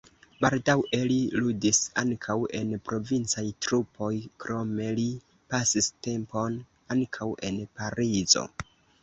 Baldaŭe li ludis ankaŭ en provincaj trupoj, krome li pasis tempon ankaŭ en Parizo.